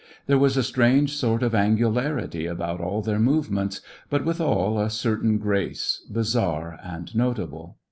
There was a strange sort of angularity about all their movements, but, withal, a certain grace, bizarre and notable.